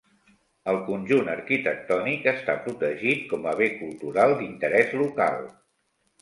El conjunt arquitectònic està protegit com a bé cultural d'interès local.